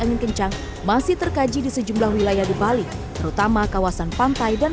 angin kencang masih terkaji di sejumlah wilayah di bali terutama kawasan pantai dan